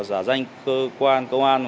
giả danh cơ quan công an